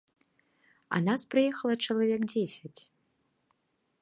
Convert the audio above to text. А нас прыехала чалавек дзесяць.